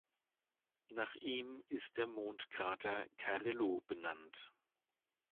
Nach ihm ist der Mondkrater Carrillo benannt.